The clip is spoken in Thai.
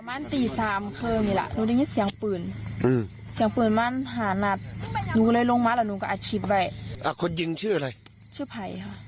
อายุเท่าไหร่ประมาณ๒๓๒๔นี่แหละจ๊ะ